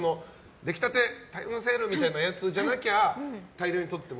出来たて、タイムセールみたいなやつじゃなきゃ大量に取ってもいい？